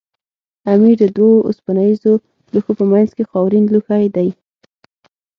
امیر د دوو اوسپنیزو لوښو په منځ کې خاورین لوښی دی.